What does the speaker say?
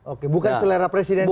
oke bukan selera presiden saja